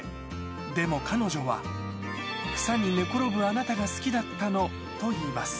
でも彼女は、草に寝転ぶあなたが好きだったのと言います。